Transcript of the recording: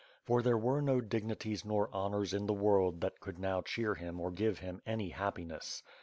For there were no dignities nor honors in the world that could now cheer him or give him any happiness.